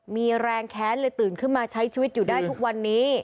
มีแรงแค้นเลยตื่นขึ้นมาใช้ชีวิตอยู่ได้ทุกวันนี้